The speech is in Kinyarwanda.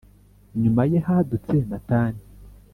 Nyuma ye, hadutse Natani,